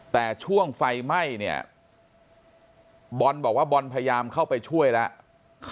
แต่ช่วงไฟไหม้เนี่ยบอลบอกว่าบอลพยายามเข้าไปช่วยแล้ว